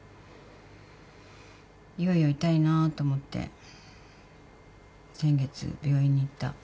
いよいよ痛いなと思って先月病院に行った。